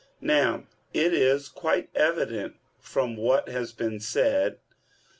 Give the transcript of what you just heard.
Now it is quite evident from what has been said (A.